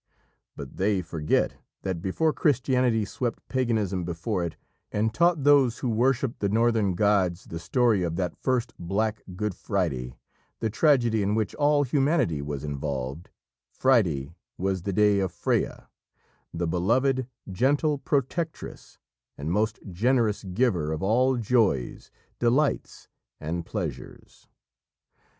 But they forget that before Christianity swept paganism before it, and taught those who worshipped the northern gods the story of that first black "Good Friday," the tragedy in which all humanity was involved, Friday was the day of Freya, "The Beloved," gentle protectress, and most generous giver of all joys, delights, and pleasures.